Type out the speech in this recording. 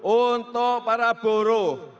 untuk para buruh